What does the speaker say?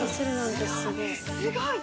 すごい！